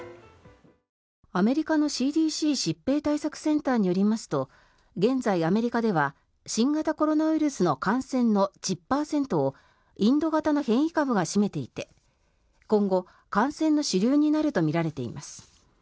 アメリカのＣＤＣ・疾病対策センターによりますと現在、アメリカでは新型コロナウイルスの感染の１０％をインド型の変異株が占めていて今後、感染の主流になるとみられています。